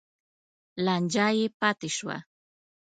لانجه یې پاتې شوه.